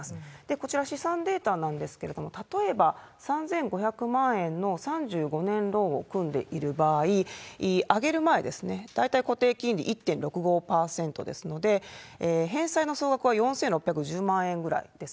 こちら、試算データなんですけれども、例えば３５００万円の３５年ローンを組んでいる場合、上げる前ですね、大体固定金利１．６５％ですので、返済の総額は４６１０万円ぐらいです。